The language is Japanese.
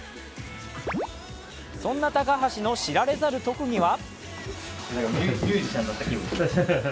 そんな高橋の知られざる特技は？